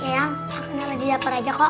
ya yang aku nanti di dapur aja kok